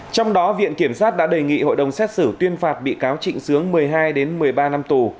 trong đó viện kiểm sát đã đề nghị hội đồng xét xử tuyên phạt bị cáo trịnh sướng một mươi hai một mươi ba năm tù